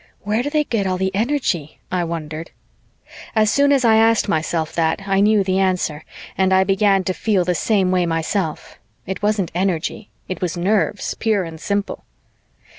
"Where do they get all the energy?" I wondered. As soon as I asked myself that, I knew the answer and I began to feel the same way myself. It wasn't energy; it was nerves, pure and simple.